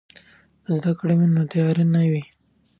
که زده کړه وي نو تیاره نه وي.